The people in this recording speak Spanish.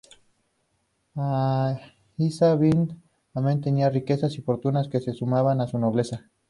Aisa Bint Ahmad tenía riquezas y fortuna que se sumaban a su nobleza.